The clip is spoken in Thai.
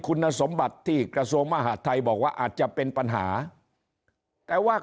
คุณสมบัติที่กระทรวงมหาดไทยบอกว่าอาจจะเป็นปัญหาแต่ว่า